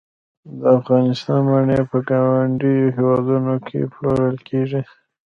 د افغانستان مڼې په ګاونډیو هیوادونو کې پلورل کیږي